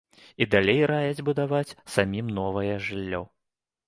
І далей раяць будаваць самім новае жыллё.